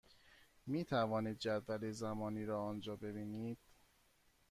می توانید جدول زمانی را آنجا ببینید.